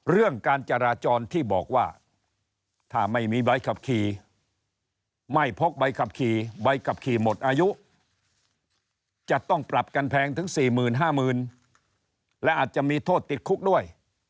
เรื่องการจราจรที่บอกว่าถ้าไม่มีใบขับขี่ไม่พกใบขับขี่ใบขับขี่หมดอายุจะต้องปรับกันแพงถึง๔๕๐๐๐และอาจจะมีโทษติดคุกด้วย